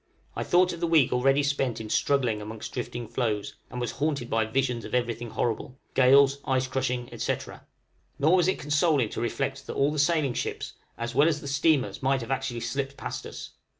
I thought of the week already spent in struggling amongst drifting floes, and was haunted by visions of everything horrible gales, ice crushing, etc. Nor was it consoling to reflect that all the sailing ships as well as the steamers might have actually slipped past us.